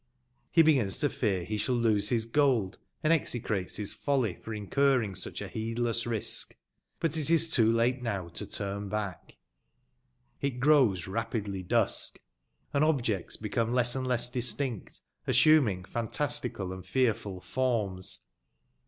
He begins to fear be sball lose bis gold, and execrä^s bis f oUj . for incurring sucb beedless risk. But it is too late now jio tum bact. It grows rapidly dusk, and objects become less and less dis tinct, assuming fantastical and fearful forms.